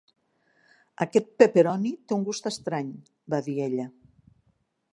Aquest pepperoni té un gust estrany, va dir ella.